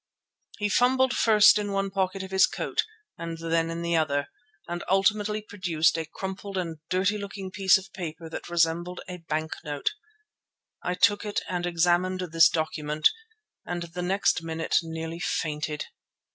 He fumbled first in one pocket of his coat and then in the other, and ultimately produced a crumpled and dirty looking piece of paper that resembled a bank note. I took and examined this document and next minute nearly fainted.